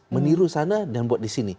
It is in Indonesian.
meniru sana dan buat di sini